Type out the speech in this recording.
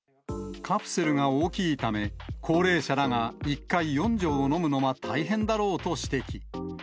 カプセルが大きいため、高齢者らが１回４錠をのむのは大変だろうと指摘。